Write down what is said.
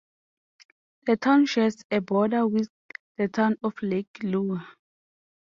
The town shares a border with the town of Lake Lure.